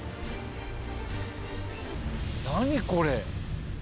何これ？